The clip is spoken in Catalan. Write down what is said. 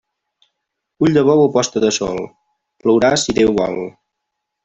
Ull de bou a posta de sol, plourà si Déu vol.